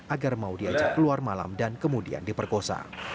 agar mau diajak keluar malam dan kemudian diperkosa